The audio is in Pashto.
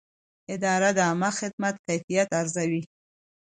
اداره د عامه خدمت کیفیت ارزوي.